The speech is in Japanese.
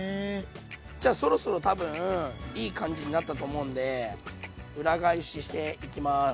じゃそろそろ多分いい感じになったと思うんで裏返ししていきます。